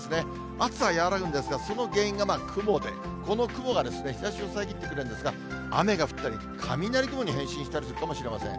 暑さ和らぐんですが、その原因が雲で、この雲が日ざしを遮ってくれるんですが、雨が降ったり、雷雲に変身するかもしれません。